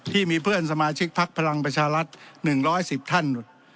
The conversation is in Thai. ที่มีเพื่อนสมาชิกพักพลังประชารัฐ๑๑๐ท่าน